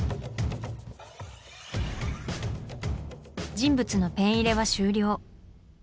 人物のペン入れは終了。